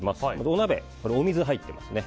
お鍋、お水が入っていますね。